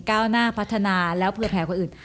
ก้าวหน้าพัฒนาแล้วเผื่อแผลคนอื่น